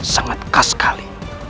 sangat khas sekali